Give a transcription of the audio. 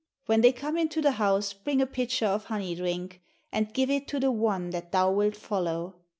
When they come into the house bring a pitcher of honey drink, and give it to the one that thou wilt follow.